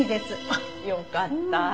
あっよかった。